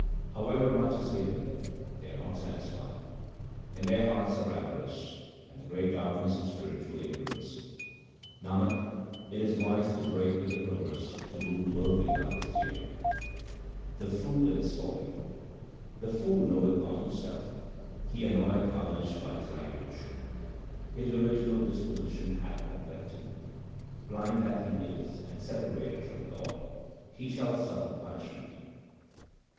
However much is given them, they are not satisfied ; in their hearts are avarice and the great darkness of spiritual ignorance. Nanak, it is wise to break with the perverse to whom worldly love is dear. The fool in his folly :— The fool knoweth not himself ; he annoyeth others by his language. 1 Literally — hope neither dieth nor departeth. P 2 212 THE SIKH RELIGION His original disposition hath not left him ; blind that he is, and separated from God, he shall suffer punishment.